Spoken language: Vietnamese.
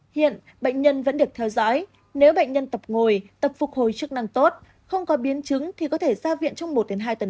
hiện bệnh nhân vẫn được theo dõi nếu bệnh nhân tập ngồi tập phục hồi chức năng tốt không có biến chứng thì có thể ra viện trong một hai tuần